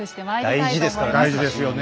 大事ですからね